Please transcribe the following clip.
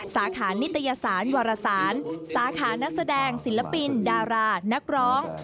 สาขานิตยสารวรสารสาขานักแสดงศิลปินดารานักร้อง